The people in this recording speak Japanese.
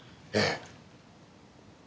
ええ。